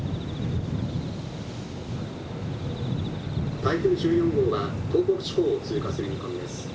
「台風１４号は東北地方を通過する見込みです。